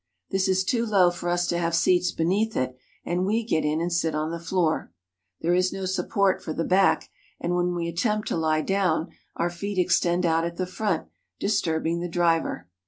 This is too low for us to have seats beneath it, and we get in and sit on the floor. There is no support for the back, and when we attempt to lie down, our feet extend out at the front, disturbing the driver.